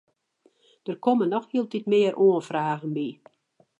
Der komme noch hieltyd mear oanfragen by.